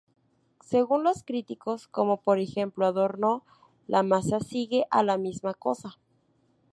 Según los críticos, como por ejemplo, Adorno, la masa sigue a la misma cosa.